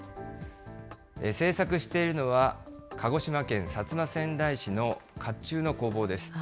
製作しているのは、鹿児島県薩摩川内市のかっちゅうの工房です。